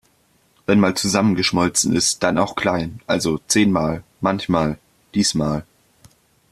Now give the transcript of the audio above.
Wenn mal zusammengeschmolzen ist, dann auch klein, also zehnmal, manchmal, diesmal.